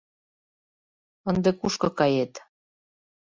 Ынде кушко кает?